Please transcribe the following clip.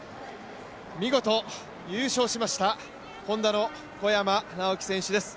見事優勝しましたＨｏｎｄａの小山直城選手です。